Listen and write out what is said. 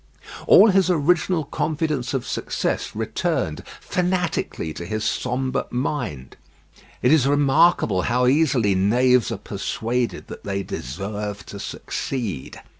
All his original confidence of success returned fanatically to his sombre mind. It is remarkable how easily knaves are persuaded that they deserve to succeed.